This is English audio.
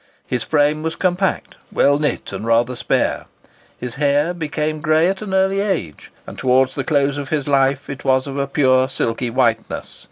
His frame was compact, well knit, and rather spare. His hair became grey at an early age, and towards the close of his life it was of a pure silky whiteness.